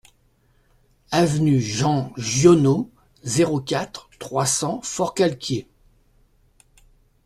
Avenue Jean Giono, zéro quatre, trois cents Forcalquier